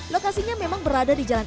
lokasinya memang berada di jalan